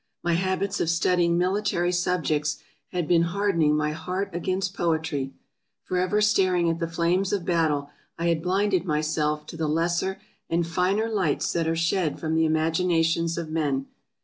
My habits of studying military subjects had been hardening my heart against poetry. Forever staring at the flames of battle, I had blinded myself to the lesser and finer lights that are shed from the imaginations of men.